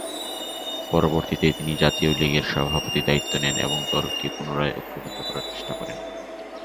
পরবর্তিতে তিনি জাতীয় লীগের সভাপতির দায়িত্ব নেন ও দলকে পুনরায় ঐক্যবদ্ধ করার চেষ্টা করেন।